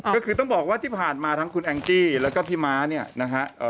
ก็คือต้องบอกว่าที่ผ่านมาทั้งคุณแองจี้แล้วก็พี่ม้าเนี่ยนะฮะ